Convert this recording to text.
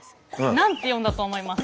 何て読んだと思います？